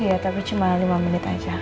iya tapi cuma lima menit aja